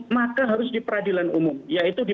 maka harus di peradilan umum yaitu di